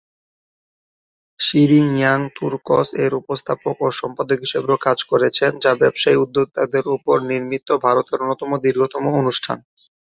Shirin "young তুর্কস"এর উপস্থাপক ও সম্পাদক হিসেবেও কাজ করেছেন, যা ব্যবসায়ী উদ্যোক্তাদের উপর নির্মিত ভারতের অন্যতম দীর্ঘতম অনুষ্ঠান।